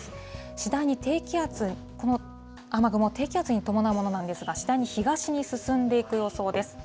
次第に低気圧、この雨雲、低気圧に伴うものなんですが、次第に東に進んでいく予想です。